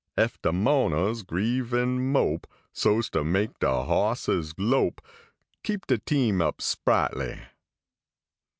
Ef de mo ners grieve and mope, So s ter make de bosses lope, Keep de team up sprightly.